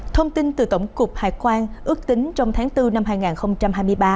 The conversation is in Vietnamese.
thông tin từ tổng cục hải quan ước tính trong tháng bốn năm hai nghìn hai mươi ba